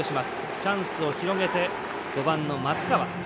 チャンスを広げて５番の松川。